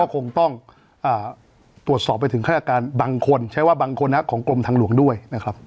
คงต้องตรวจสอบไปถึงฆาตการบางคนใช้ว่าบางคนของกรมทางหลวงด้วยนะครับ